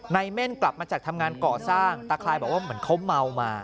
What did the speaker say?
เม่นกลับมาจากทำงานก่อสร้างตาคลายบอกว่าเหมือนเขาเมามา